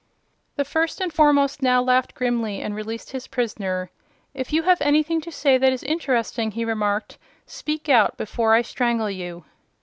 The First and Foremost now laughed grimly and released his prisoner. "If you have anything to say that is interesting," he remarked, "speak out, before I strangle you."